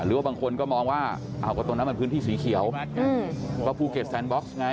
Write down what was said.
หรือว่าบางคนก็มองว่าอ้าวก็ตรงนั้นมันพื้นที่สีเขียวก็ภูเก็ตแซนบ็อกซ์ไง